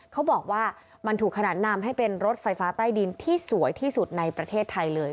เขาบอกว่ามันถูกขนานนำให้เป็นรถไฟฟ้าใต้ดินที่สวยที่สุดในประเทศไทยเลย